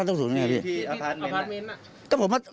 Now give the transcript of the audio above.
ดูแทนตามตรงหน้านี่มั้ยพี่ที่บาสเม้น